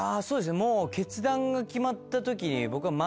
もう決断が決まった時に僕はまず。